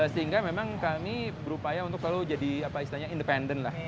sehingga memang kami berupaya untuk selalu jadi apa istilahnya independen lah